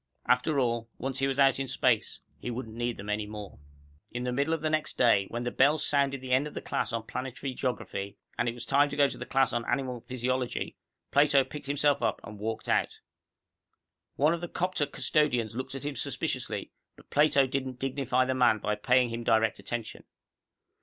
After all, once he was out in space, he wouldn't need them any more. In the middle of the next day, when the bell sounded the end of the class on Planetary Geography and it was time to go to the class on Animal Physiology, Plato picked himself up and walked out. One of the 'copter custodians looked at him suspiciously, but Plato didn't dignify the man by paying him direct attention.